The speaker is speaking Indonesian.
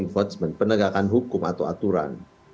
penegakan hukum atau aturan